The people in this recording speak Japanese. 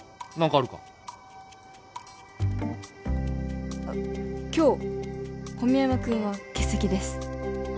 あっ今日小宮山君は欠席ですあ